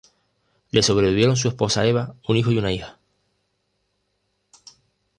Le sobrevivieron su esposa Eva, un hijo y una hija.